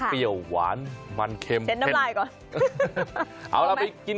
เปรี้ยวหวานมันเค็มเพ็ดนะครับเป็นใช้น้ำลายก่อน